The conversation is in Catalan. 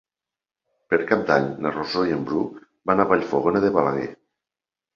Per Cap d'Any na Rosó i en Bru van a Vallfogona de Balaguer.